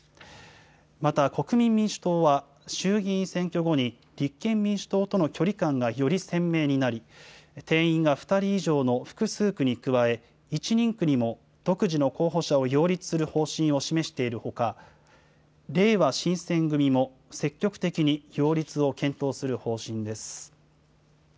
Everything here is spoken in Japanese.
また、国民民主党は衆議院選挙後に、立憲民主党との距離感がより鮮明になり、定員が２人以上の複数区に加え、１人区にも独自の候補者を擁立する方針を示しているほか、れいわ新選組も積極的に擁立を検討する方針です。